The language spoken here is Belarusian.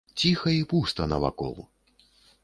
Ціха і пуста навакол.